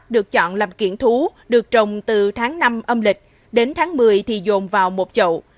được chọn làm kiển thú được trồng từ tháng năm âm lịch đến tháng một mươi thì dồn vào một chậu